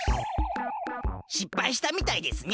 しっぱいしたみたいですね。